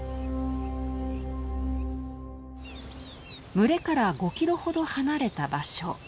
群れから５キロほど離れた場所。